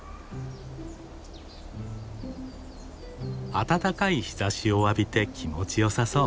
暖かい日ざしを浴びて気持ちよさそう。